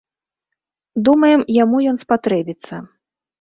Думаем, яму ён спатрэбіцца.